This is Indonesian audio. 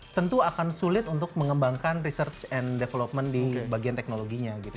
tentu akan sulit untuk mengembangkan research and development di bagian teknologinya gitu